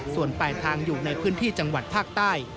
ส่วนปลายทางอยู่ในพื้นที่จังหวัดภาคใต้